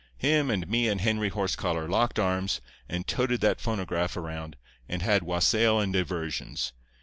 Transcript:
Him and me and Henry Horsecollar locked arms, and toted that phonograph around, and had wassail and diversions.